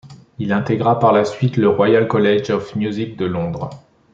Il intégra par la suite le Royal College of Music de Londres.